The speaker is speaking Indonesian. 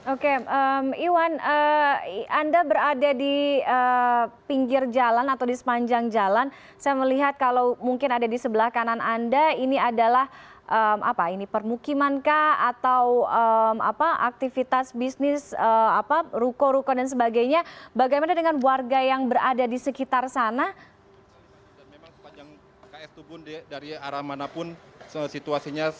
oke iwan anda berada di pinggir jalan atau di sepanjang jalan saya melihat kalau mungkin ada di sebelah kanan anda ini adalah permukimankah atau aktivitas bisnis ruko ruko dan sebagainya bagaimana dengan warga yang berada di sekitar sana